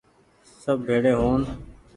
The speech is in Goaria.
سب ڀيڙي هون ۔